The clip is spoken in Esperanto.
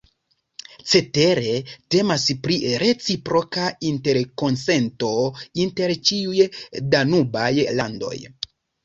Cetere, temas pri reciproka interkonsento inter ĉiuj danubaj landoj.